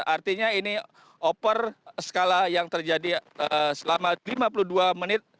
artinya ini over skala yang terjadi selama lima puluh dua menit